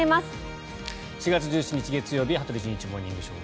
４月１７日、月曜日「羽鳥慎一モーニングショー」。